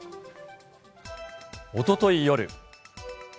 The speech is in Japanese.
おととい夜。